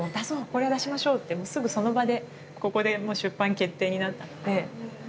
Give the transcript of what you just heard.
これは出しましょう」ってもうすぐその場でここでもう出版決定になったのではい。